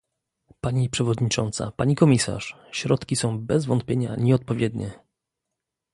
Pani przewodnicząca, pani komisarz! Środki są bez wątpienia nieodpowiednie